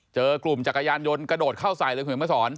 เจอกลุ่มจักรยานยนต์กระโดดเข้าใส่เลยคุณเห็นมาสอน